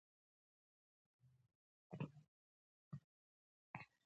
د خوښۍ او خوشالۍ حق یې هم خوندي دی.